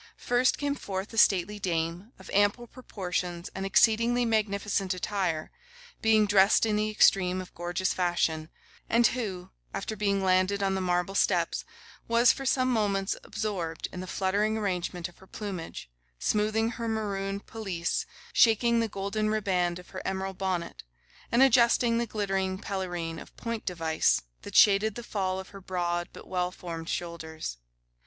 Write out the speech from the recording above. First came forth a stately dame, of ample proportions and exceedingly magnificent attire, being dressed in the extreme of gorgeous fashion, and who, after being landed on the marble steps, was for some moments absorbed in the fluttering arrangement of her plumage; smoothing her maroon pelisse, shaking the golden riband of her emerald bonnet, and adjusting the glittering pelerine of point device, that shaded the fall of her broad but well formed shoulders.